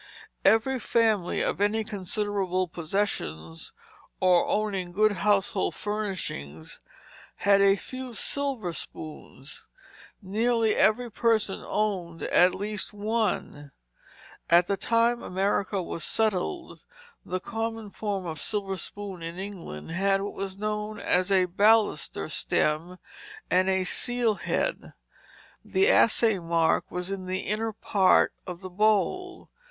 Every family of any considerable possessions or owning good household furnishings had a few silver spoons; nearly every person owned at least one. At the time America was settled the common form of silver spoon in England had what was known as a baluster stem and a seal head; the assay mark was in the inner part of the bowl.